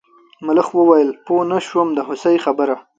ملخ وویل پوه نه شوم د هوسۍ خبره.